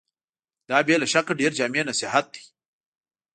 دا بې له شکه ډېر جامع نصيحت دی.